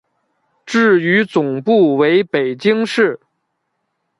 至于总部为北京市。